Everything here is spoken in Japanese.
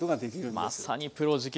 まさに「プロ直伝！」